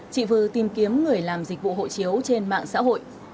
chị vư tìm kiếm người làm dịch vụ hộ chiếu trên mạng xã hội